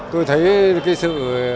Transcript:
tôi thấy cái sự